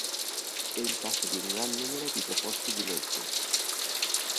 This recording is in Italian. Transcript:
È il caso di un gran numero di proposte di legge.